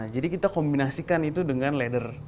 kita kombinasikan itu dengan leather